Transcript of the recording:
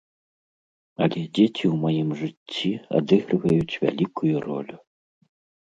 Але дзеці ў маім жыцці адыгрываюць вялікую ролю.